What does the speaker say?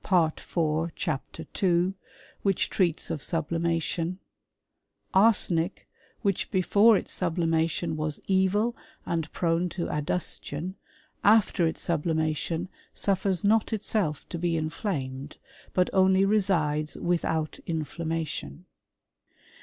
part iv. chap. 2, which treats of sublimation, " Arsenic, which before its sublimation was evil and prone to adustion, after its sublimation, suffers not itself to be inflamed; but only resides without inflammation."